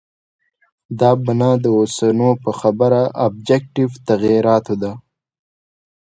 دا بنا د اوسنو په خبره آبجکټیف تغییراتو ده.